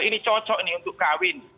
ini cocok untuk kawin